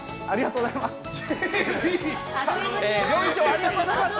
ありがとうございます！